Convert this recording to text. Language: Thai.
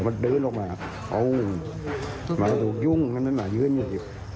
เบิดก็มาตามเตี้ยงอยู่นี่